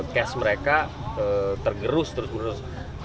cash mereka tergerus terus menerus